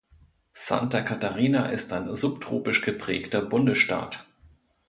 Santa Catarina ist ein subtropisch geprägter Bundesstaat.